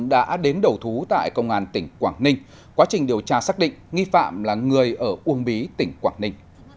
đã đến đầu thú tại công an tỉnh quảng ninh quá trình điều tra xác định nghi phạm là người ở uông bí tỉnh quảng ninh